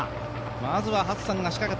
まずはハッサンが仕掛けた。